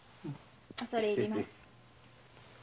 恐れ入ります。